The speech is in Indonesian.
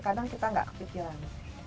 kadang kita gak kepikiran